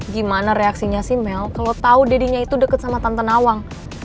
gimana reaksinya sih mel kalo tau dadinya itu deket sama tante nawang